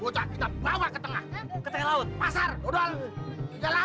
udah sempre sampe udah lu lah